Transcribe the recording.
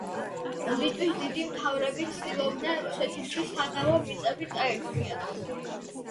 ლიტვის დიდი მთავრები ცდილობდნენ რუსეთისთვის სადავო მიწები წაერთმიათ.